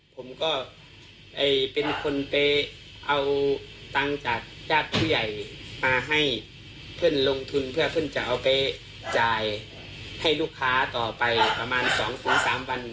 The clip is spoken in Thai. ผมก็เป็นคนไปเอาตังค์จากญาติผู้ใหญ่มาให้เพื่อนลงทุนเพื่อเพื่อนจะเอาไปจ่ายให้ลูกค้าต่อไปประมาณ๒๓วัน